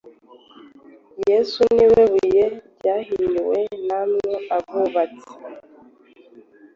yesu ni we buye ryahinyuwe namwe abubatsi,